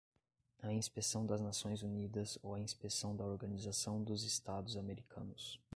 a inspeção das Nações Unidas ou a inspeção da Organização dos Estados Americanos